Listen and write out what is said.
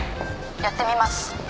「やってみます」